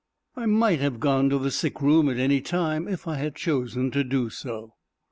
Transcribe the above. I might have gone to the sick room at any time, if I had chosen to do so.